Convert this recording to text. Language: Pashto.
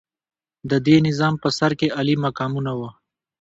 د دې نظام په سر کې عالي مقامونه وو.